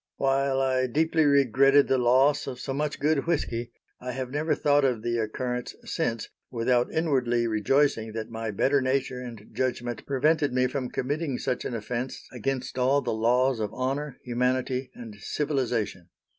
While I deeply regretted the loss of so much good whisky, I have never thought of the occurrence since without inwardly rejoicing that my better nature and judgment prevented me from committing such an offense against all the laws of honor, humanity and civilization.